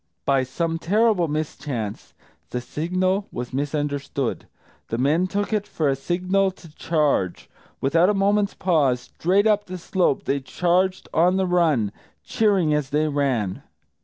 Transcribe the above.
By some terrible mischance, the signal was misunderstood. The men took it for the signal to charge. Without a moment's pause, straight up the slope, they charged on the run, cheering as they ran.